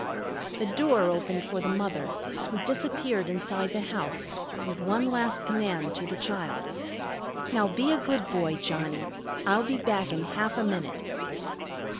The door opened for the mother, who disappeared inside the house, with one last command to the child: "Now be a good boy, Johnnie. I'll be back in half a minute."